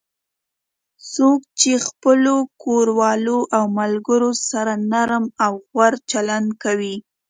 څوک چې خپلو کوروالو او ملگرو سره نرم او غوره چلند کوي